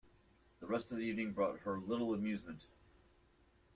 The rest of the evening brought her little amusement.